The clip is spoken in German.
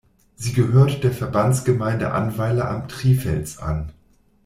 Sie gehört der Verbandsgemeinde Annweiler am Trifels an.